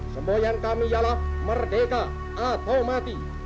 semuanya kami yalah merdeka atau mati